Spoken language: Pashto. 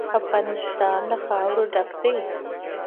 افغانستان له خاوره ډک دی.